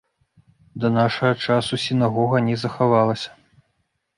Да нашага часу сінагога не захавалася.